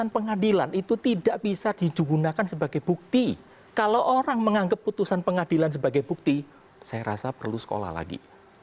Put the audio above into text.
pengadilan sebagai bukti saya rasa perlu sekolah lagi